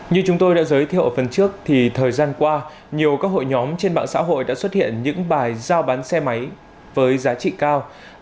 như chúng tôi đã giới thiệu ở phần trước thì thời gian qua nhiều các hội nhóm trên mạng xã hội đã xuất hiện những bài giao bán xe máy với giá trị cao